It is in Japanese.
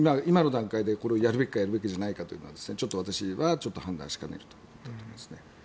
今の段階でこれをやるべきかやるべきじゃないかというのはちょっと私は判断しかねると思いますね。